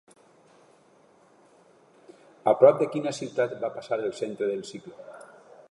A prop de quina ciutat va passar el centre del cicló?